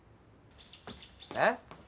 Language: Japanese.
えっ？